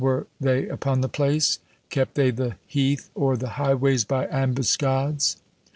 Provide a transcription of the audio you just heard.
were they upon the place? kept they the heath or the highways by ambuscades?